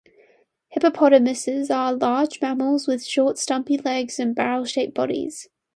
Hippopotamuses are large mammals, with short, stumpy legs, and barrel-shaped bodies.